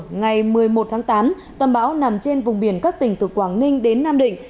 đến một h ngày một mươi một tháng tám tâm bão nằm trên vùng biển các tỉnh từ quảng ninh đến nam định